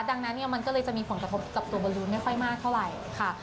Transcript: ดังนั้นเนี่ยมันก็เลยจะมีผลกระทบกับตัวบอลลูนไม่ค่อยมากเท่าไหร่ค่ะ